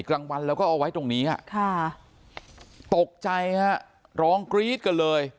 กลางวันแล้วก็เอาไว้ตรงนี้ตกใจฮะร้องกรี๊ดกันเลย